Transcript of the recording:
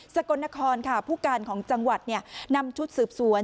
กลนครค่ะผู้การของจังหวัดนำชุดสืบสวน